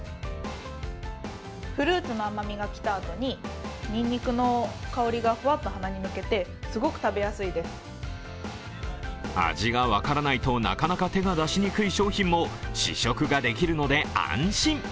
フルーツの甘みが来たあとににんにくの香りがふわっと鼻に抜けて味が分からないとなかなか手が出しにくい商品も試食ができるので安心。